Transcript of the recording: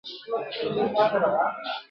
جهاني کړي غزلونه د جانان په صفت ستړي ..